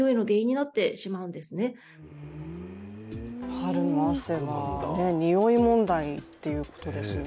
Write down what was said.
春の汗はにおい問題ということですね。